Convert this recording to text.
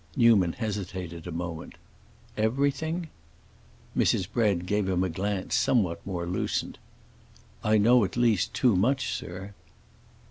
Newman hesitated a moment. "Everything?" Mrs. Bread gave him a glance somewhat more lucent. "I know at least too much, sir."